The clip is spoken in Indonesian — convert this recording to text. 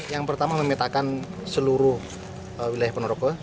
yang pertama memetakan seluruh wilayah ponorogo